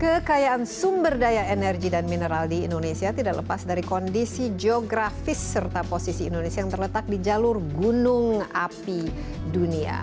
kekayaan sumber daya energi dan mineral di indonesia tidak lepas dari kondisi geografis serta posisi indonesia yang terletak di jalur gunung api dunia